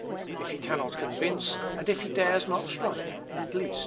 If he cannot convince, and if he dares not strike, he at least can stun.